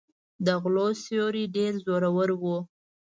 د غلو سیوری ډېر زورور و.